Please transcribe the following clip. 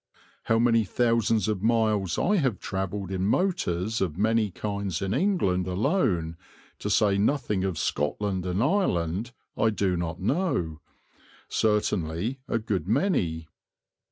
How many thousands of miles I have travelled in motors of many kinds in England alone, to say nothing of Scotland and Ireland, I do not know; certainly a good many.